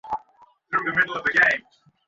তবে এতে সব গাছ কাটা পড়ছে কি না, সেটা দেখা হচ্ছে।